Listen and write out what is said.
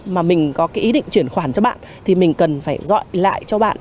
mà mình có cái ý định chuyển khoản cho bạn thì mình cần phải gọi lại cho bạn